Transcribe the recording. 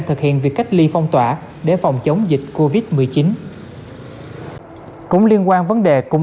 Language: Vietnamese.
thì nguy cơ lây lan dịch tễ là rất lớn